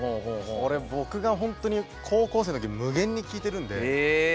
これ僕がほんとに高校生のとき無限に聴いてるんで。